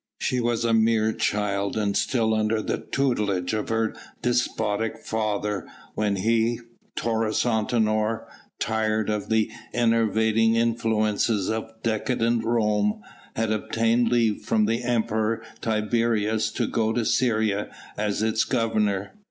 She was a mere child and still under the tutelage of her despotic father when he Taurus Antinor tired of the enervating influences of decadent Rome, had obtained leave from the Emperor Tiberius to go to Syria as its governor.